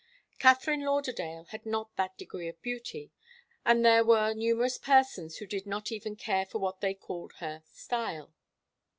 Katharine Lauderdale had not that degree of beauty, and there were numerous persons who did not even care for what they called 'her style.